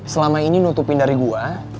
selama ini nutupin dari gua